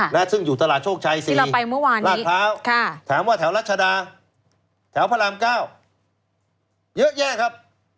และซึ่งอยู่ตลาดโชคชัย๔ลาดพร้าวถามว่าแถวรัชดาแถวพระรามเก้าเยอะแยะครับ